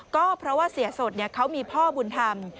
ก็เพราะว่าเสียสดเขามีพ่อบุญธรรม